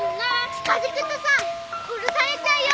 近づくとさ殺されちゃうよ